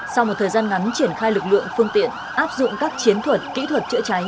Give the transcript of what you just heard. sau một thời gian ngắn triển khai lực lượng phương tiện áp dụng các chiến thuật kỹ thuật chữa cháy